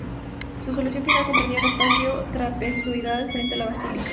Su solución final comprendía un espacio trapezoidal frente a la basílica.